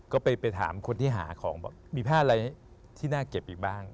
ก็ไปถามคนที่หาของบอกมีผ้าอะไรที่น่าเก็บอีกบ้าง